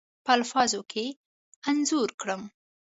په الفاظو کې انځور کړم.